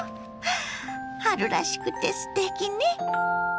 春らしくてすてきね！